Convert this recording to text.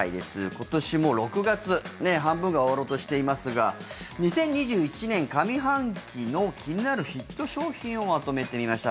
今年も６月半分が終わろうとしていますが２０２１年上半期の気になるヒット商品をまとめてみました。